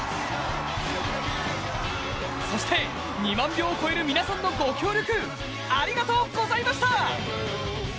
そして２万票を超える皆さんのご協力、ありがとうございました！